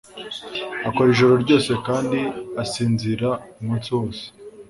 Akora ijoro ryose kandi asinzira umunsi wose.